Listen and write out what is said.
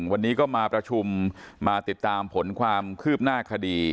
วันนี้ก็มาประชุมมาติดตามผลความคืบหน้าคดี